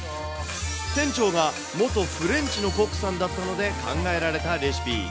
店長が元フレンチのコックさんだったので、考えられたレシピ。